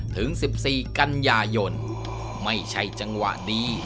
ถึง๑๔กันยายนไม่ใช่จังหวะดี